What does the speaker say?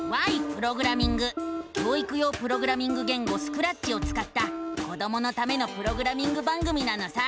教育用プログラミング言語「スクラッチ」をつかった子どものためのプログラミング番組なのさ！